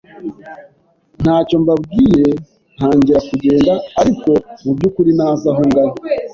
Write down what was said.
ntacyo mbabwiye ntangira kugenda ariko mu byukuri ntazi aho ngana,